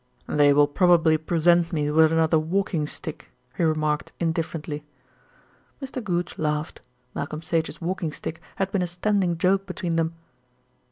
"They will probably present me with another walking stick," he remarked indifferently. Mr. Goodge laughed. Malcolm Sage's walking stick had been a standing joke between them.